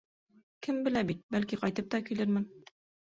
Кем белә бит, бәлки, ҡайтып та килермен.